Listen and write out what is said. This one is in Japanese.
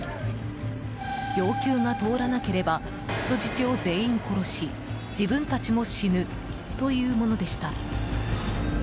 要求が通らなければ人質を全員殺し自分たちも死ぬというものでした。